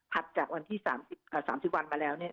จากวันที่๓๐วันมาแล้ว